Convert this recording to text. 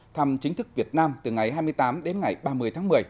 thăm chính thức việt nam từ ngày hai mươi tám đến ngày ba mươi tháng một mươi